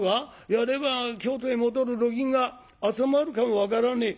やれば京都へ戻る路銀が集まるかも分からねえ」。